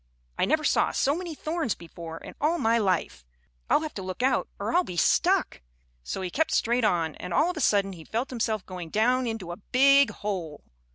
"I never saw so many thorns before in all my life. I'll have to look out or I'll be stuck." So he kept straight on, and all of a sudden he felt himself going down into a big hole.